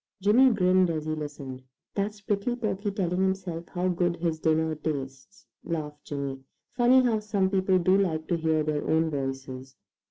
Jimmy grinned as he listened. "That's Prickly Porky telling himself how good his dinner tastes," laughed Jimmy. "Funny how some people do like to hear their own voices."